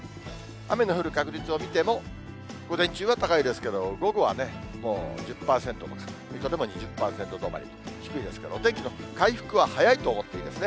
雨の降る確率を見ても、午前中は高いですけど、午後はね、もう１０％とか、水戸でも２０％止まり、低いですから、お天気の回復は早いと思っていいですね。